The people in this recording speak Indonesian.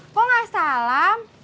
kok gak salam